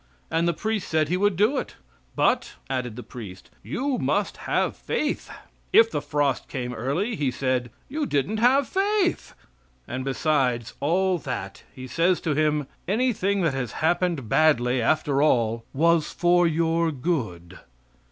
And the priest said he would do it; "but," added the priest, "you must have faith." If the frost came early he said, "You didn't have faith." And besides all that he says to him: "Anything that has happened badly, after all, was for your good."